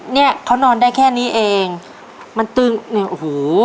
เนี้ยเขานอนได้แค่นี้เองมันตึงเนี่ยโอ้โห